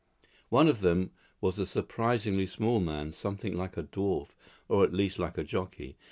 One of them was a surprisingly small man, something like a dwarf, or at least like a jockey.